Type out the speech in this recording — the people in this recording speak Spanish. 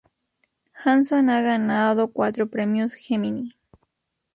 Hanson ha ganado cuatro Premios Gemini.